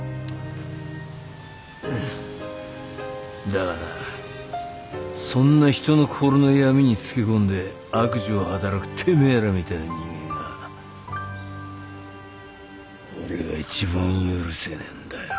だがなそんな人の心の闇につけ込んで悪事を働くてめえらみたいな人間が俺は一番許せねえんだよ。